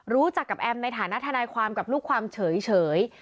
รู้จักกับแอมในฐานะทนายความกับลูกความเฉย